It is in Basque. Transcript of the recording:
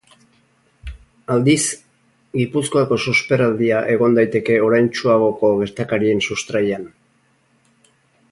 Aldiz, Gipuzkoako susperraldia egon daiteke oraintsuagoko gertakarien sustraian.